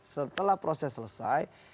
setelah proses selesai